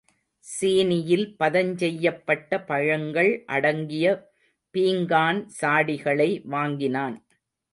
சீனியில் பதஞ்செய்யப்பட்ட பழங்கள் அடங்கிய பீங்கான் சாடிகளை வாங்கினான்.